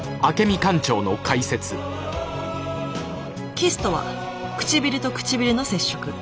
キスとは唇と唇の接触。